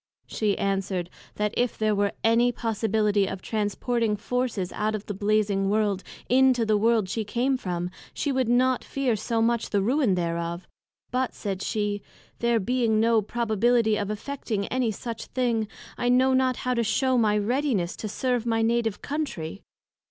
she answered, That if there were any possibility of transporting Forces out of the Blazing World, into the World she came from, she would not fear so much the ruin thereof: but, said she, there being no probability of effecting anysuch thing, I know not how to shew my readiness to serve my Native Country.